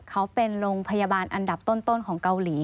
เขาเป็นโรงพยาบาลอันดับต้นของเกาหลี